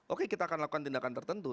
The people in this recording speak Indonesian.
oke kita akan lakukan tindakan tertentu